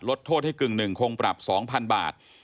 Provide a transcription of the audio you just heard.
ลดโทษให้กึ่งหนึ่งคงปรับ๒๐๐๐บาท